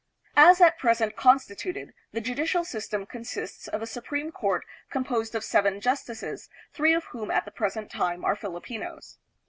As at present constituted, the judicial system consists of a Supreme Court composed of seven justices, three of whom at the present time are Filipinos.